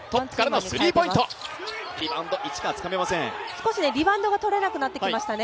少しリバウンドが取れなくなってきましたね。